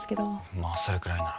まあそれくらいなら。